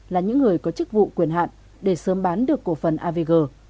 là những người có chức vụ quyền hạn để sớm bán được cổ phần avg